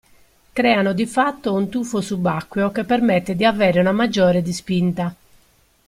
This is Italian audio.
Creano di fatto un tuffo subacqueo che permette di avere una maggiore di spinta.